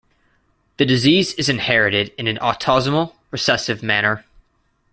The disease is inherited in an autosomal recessive manner.